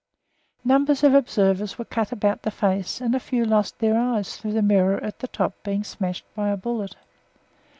Numbers of observers were cut about the face and a few lost their eyes through the mirror at the top being smashed by a bullet.